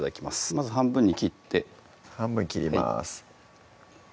まず半分に切って半分に切ります